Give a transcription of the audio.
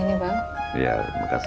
liat terima kasih